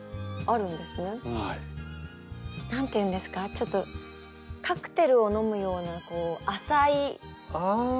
何て言うんですかちょっとカクテルを飲むような浅いグラスって言うんですか？